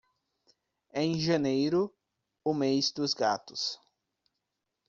Em janeiro, o mês dos gatos.